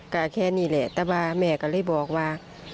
ก็แค่นี้แหละแต่ว่าแม่ก็เลยบอกว่า